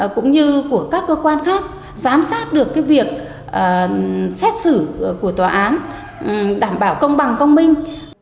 cũng như của các cơ quan khác giám sát được việc xét xử của tòa án đảm bảo công bằng công minh